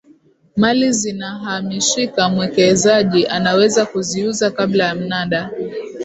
mali zinahamishika mwekezaji anaweza kuziuza kabla ya mnada